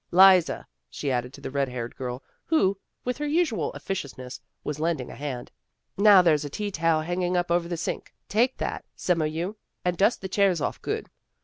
'Liza," she added to the red haired girl, who, with her usual officious ness, was lending a hand, " now there's a tea towel hanging up over the sink ; take that, some o' you, and dust the chairs off good.